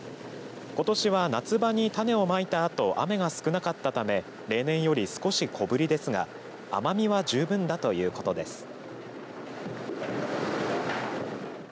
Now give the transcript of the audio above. ことしは、夏場に種をまいたあと雨が少なかったため例年より少し小ぶりですが甘みは十分だということです。